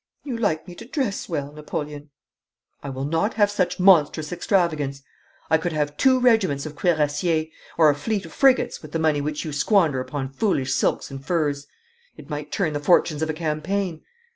'You like me to dress well, Napoleon.' 'I will not have such monstrous extravagance. I could have two regiments of cuirassiers, or a fleet of frigates, with the money which you squander upon foolish silks and furs. It might turn the fortunes of a campaign.